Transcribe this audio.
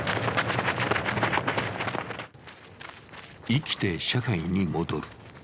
生きて社会に戻る。